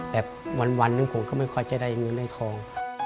แบบวันหนึ่งผมก็ไม่ค่อยจะได้เงินได้ทอง